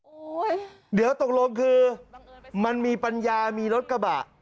โอ้โหเดี๋ยวตกลงคือมันมีปัญญามีรถกระบะ